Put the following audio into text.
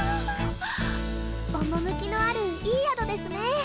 趣のあるいい宿ですね。